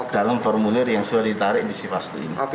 dalam formulir yang sudah ditarik di sivastu ini